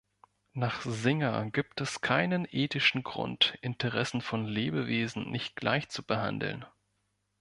Nach Singer gibt es keinen ethischen Grund, Interessen von Lebewesen nicht gleich zu behandeln.